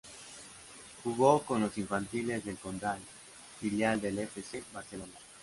Jugó con los infantiles del Condal, filial del F. C. Barcelona.